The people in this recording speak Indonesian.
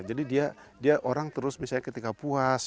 jadi dia orang terus misalnya ketika puas